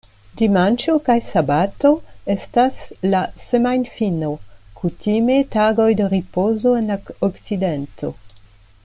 Dimanĉo kaj sabato estas la "semajnfino", kutime tagoj de ripozo en la Okcidento.